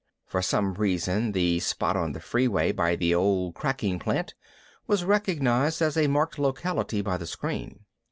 For some reason the spot on the freeway by the old cracking plant was recognized as a marked locality by the screen.